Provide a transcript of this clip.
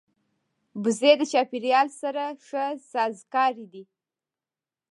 وزې د چاپېریال سره ښه سازګارې دي